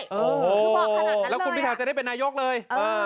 ท่านด้วยคือบอกขนาดนั้นเลยแล้วคุณพิทาจะได้เป็นนายโยคเลยเออ